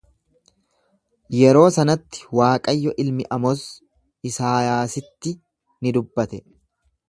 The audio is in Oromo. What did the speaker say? Yeroo sanatti Waaqayyo ilmi Amoz Isaayaasitti ni dubbate.